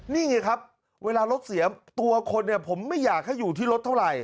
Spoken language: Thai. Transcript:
นี่ไงครับเวลารถเสียตัวคนเนี่ยผมไม่อยากให้อยู่ที่รถเท่าไหร่